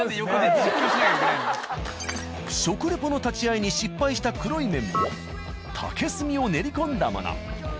食レポの立ち合いに失敗した黒い麺も竹炭を練り込んだもの。